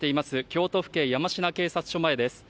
京都府警山科警察署前です